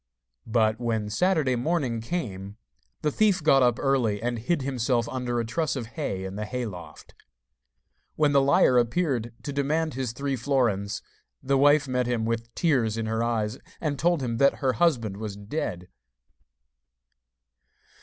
But when Saturday morning came the thief got up early and hid himself under a truss of hay in the hay loft. When the liar appeared to demand his three florins, the wife met him with tears in her eyes, and told him that her husband was dead.